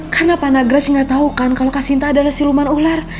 karena pak nagraj gak tau kan kalau kak sinta adalah siluman ular